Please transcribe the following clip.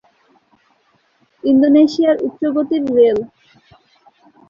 ইন্দোনেশিয়ার উচ্চগতির রেল